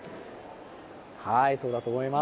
そうだと思います。